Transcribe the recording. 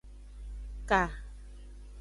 Ka.